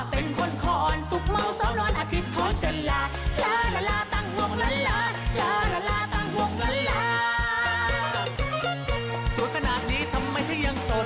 สวยขนาดนี้ทำไมเธอยังสด